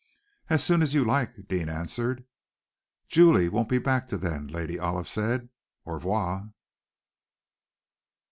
"As soon as you like," Deane answered. "Julia won't be back till then," Lady Olive said. "Au revoir!"